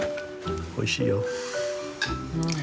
おいしいよ。